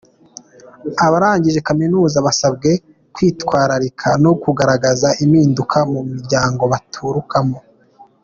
Abarangije Kaminuza basabwe kwitwararika no kugaragaza impinduka mu miryango baturukamo.